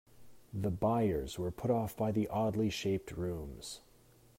The buyers were put off by the oddly shaped rooms.